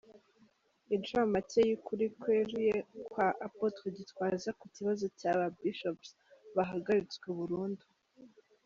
Incamake y’ukuri kweruye kwa Apotre Gitwaza ku kibazo cy’aba Bishops bahagaritswe burundu.